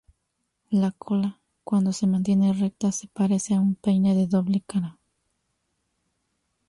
La cola, cuando se mantiene recta, se parece a un peine de doble cara.